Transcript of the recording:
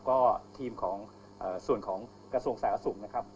ก็ทีมของส่วนของกระทรวงสาธารณสุขนะครับ